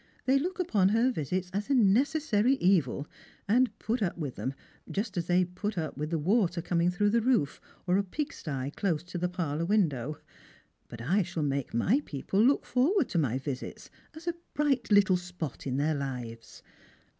They look upon her visits as a necessary evil, and put up with them, just as they put up with the water coming through the roof, or a pig stye close to the parlour window. But I shall make my people look forward to my visits as a bright little spot in their hves."